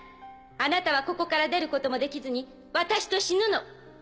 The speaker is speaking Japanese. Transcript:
あなたはここから出ることもできずに私と死ぬの。